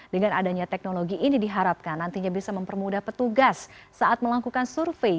dengan adanya teknologi ini diharapkan nantinya bisa mempermudah petugas saat melakukan survei